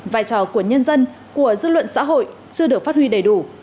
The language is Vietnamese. vai trò của nhân dân của dư luận xã hội chưa được phát huy đầy đủ